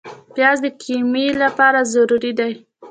پیاز د قیمې لپاره ضروري دی